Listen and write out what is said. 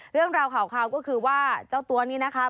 เรื่องราวข่าวก็คือว่าเจ้าตัวนี้นะคะ